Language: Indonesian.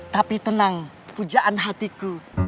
tapi tenang pujaan hatiku